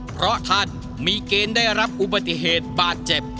เพราะท่านมีเกณฑ์ได้รับอุบัติเหตุบาดเจ็บ